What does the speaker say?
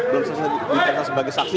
belum selesai ditetapkan sebagai saksi